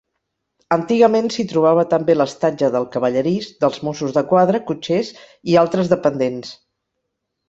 Antigament s'hi trobava també l'estatge del cavallerís, dels mossos de quadra, cotxers i altres dependents.